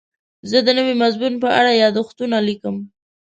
زه د نوي مضمون په اړه یادښتونه لیکم.